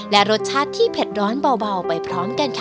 และรสชาติที่เผ็ดร้อนเบาไปพร้อมกันค่ะ